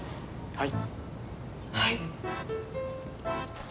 はい。